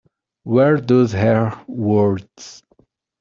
Were those her words?